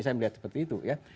saya melihat seperti itu ya